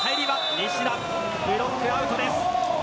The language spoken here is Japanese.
西田、ブロックアウトです。